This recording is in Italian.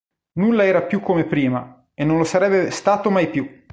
Nulla era più come prima e non lo sarebbe stato mai più!